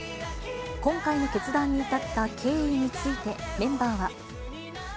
今回の決断に至った経緯について、メンバーは。